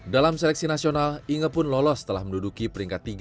dalam seleksi nasional inge pun lolos setelah menduduki peringkat tiga